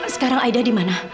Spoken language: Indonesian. sekarang aida dimana